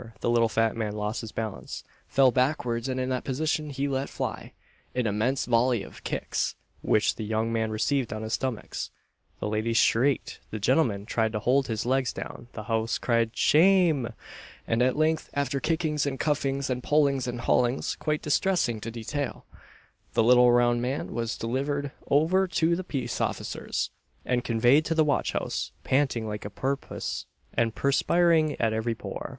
The little fat man lost his balance, fell backwards, and in that position he let fly "an immense volley of kicks," which the young man received on his stomach. The ladies shrieked, the gentlemen tried to hold his legs down, the house cried "Shame!" and at length, after kickings and cuffings, and pullings and haulings, quite distressing to detail, the little round man was delivered over to the peace officers, and conveyed to the watch house, panting like a porpoise, and perspiring at every pore.